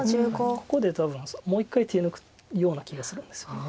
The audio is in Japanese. ここで多分もう１回手抜くような気がするんですよね。